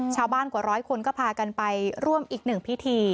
กว่าร้อยคนก็พากันไปร่วมอีกหนึ่งพิธี